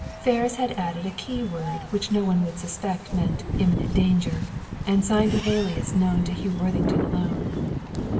Ferris had added a key word, which no one would suspect meant "Imminent danger," and signed an alias known to Hugh Worthington alone.